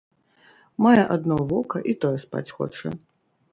Мае адно вока і тое спаць хоча.